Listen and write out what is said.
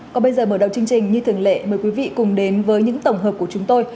còn bây giờ mở đầu chương trình như thường lệ mời quý vị cùng đến với những tổng hợp của chúng tôi